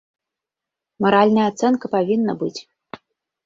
Маральная ацэнка павінна быць.